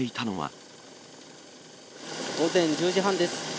午前１０時半です。